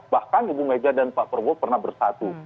bahkan ibu mega dan pak prabowo pernah bersatu